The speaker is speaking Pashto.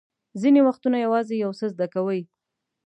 ځینې وختونه یوازې یو څه زده کوئ.